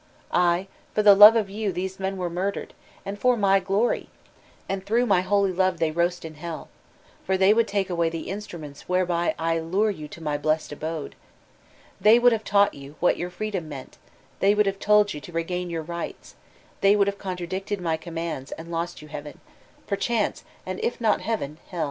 Aye, for the fave of you these men were murdered, and for my glory; and The Dbama of the Nineteenth Centuky 403 tfaroQgfa my holy love thqr roast b heD : for tiicy would take away the instruments whereby I lure you to oqr blest abode. They would have taught you what your freedom meant ; they would have told you to r^ain your rights; they would have contradicted my commands and lost you heaven, perchance— and if not heaven, heO.